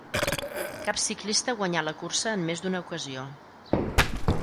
Cap ciclista guanyà la cursa en més d'una ocasió.